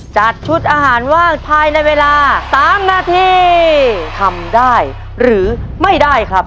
จัดชุดอาหารว่างภายในเวลาสามนาทีทำได้หรือไม่ได้ครับ